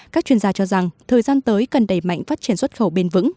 các chuyên gia cho rằng thời gian tới cần đẩy mạnh phát triển xuất khẩu bền vững